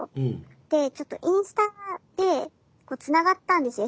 でちょっとインスタでこうつながったんですよＳＮＳで。